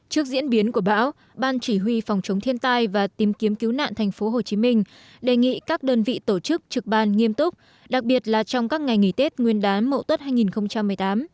trước diễn biến của bão ban chỉ huy phòng chống thiên tai và tìm kiếm cứu nạn thành phố hồ chí minh đề nghị các đơn vị tổ chức trực ban nghiêm túc đặc biệt là trong các ngày nghỉ tết nguyên đán mẫu tốt hai nghìn một mươi tám